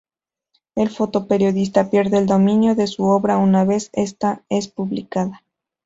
El fotoperiodista pierde el dominio de su obra una vez esta es publicada.